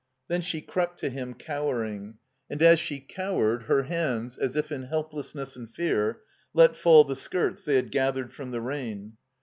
Then she crept to him cowering; and as she cow ered, her hands, as if in helplessness and fear, let fall the skirts they had gathered from the rain.